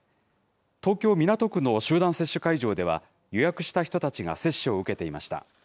東京・港区の集団接種会場では、予約した人たちが接種を受けていました。